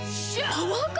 パワーカーブ⁉